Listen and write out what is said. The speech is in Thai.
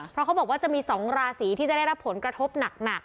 เพราะเขาบอกว่าจะมี๒ราศีที่จะได้รับผลกระทบหนัก